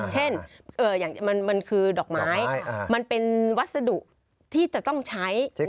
เช่นมันคือดอกไม้มันเป็นวัสดุที่จะต้องใช้